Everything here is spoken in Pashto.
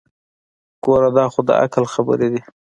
ګوره دا خو دعقل خبرې دي.